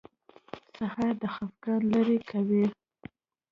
سهار د خفګان لرې کوي.